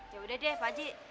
ya udah deh pak haji